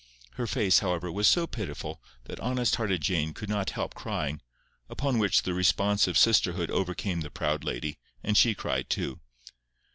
Her face, however, was so pitiful, that honest hearted Jane could not help crying, upon which the responsive sisterhood overcame the proud lady, and she cried too.